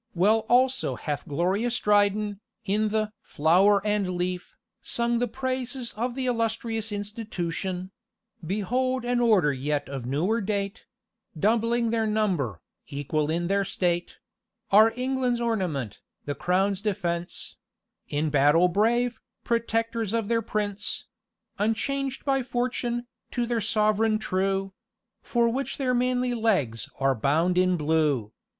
Well also hath glorious Dryden, in the "Flower and the Leaf," sung the praises of the illustrious Institution: "Behold an order yet of newer date, Doubling their number, equal in their state; Our England's ornament, the crown's defence, In battle brave, protectors of their prince: Unchanged by fortune, to their sovereign true, For which their manly legs are bound with blue.